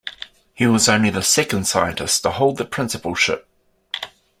He was only the second scientist to hold the Principalship.